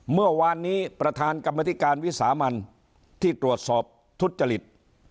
เมื่อวานนี้ประธานกรรมธิการวิสามันที่ตรวจสอบทุจริต